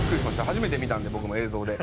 初めて見たんで僕も映像で。